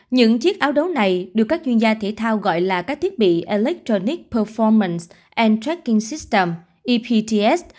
những chiếc áo đấu này được các chuyên gia thể thao gọi là các thiết bị electronic performan tr tracking system epts